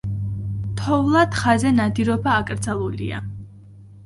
თოვლა თხაზე ნადირობა აკრძალულია.